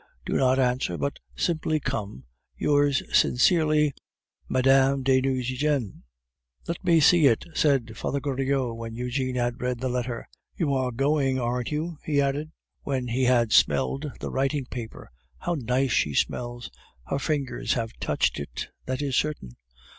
Do not answer, but simply come. Yours sincerely, D. DE N." "Let me see it," said Father Goriot, when Eugene had read the letter. "You are going, aren't you?" he added, when he had smelled the writing paper. "How nice it smells! Her fingers have touched it, that is certain."